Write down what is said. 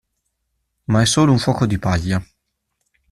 Ma è solo un fuoco di paglia.